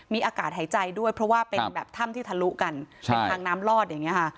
มีอากาศหายใจด้วยเพราะว่าเป็นแบบถ้ำที่ทะลุกันเป็นทางน้ำลอดอย่างนี้ค่ะ